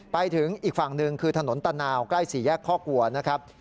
ไปถึงอีกฝั่งหนึ่งคือถนนตะนาวใกล้สี่แยกข้อกลัวนะครับ